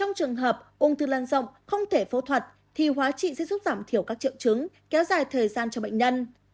trong trường hợp ung thư lan rộng không thể phẫu thuật thì hóa trị sẽ giúp giảm thiểu các triệu chứng kéo dài thời gian cho bệnh nhân